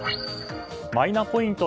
マイナポイント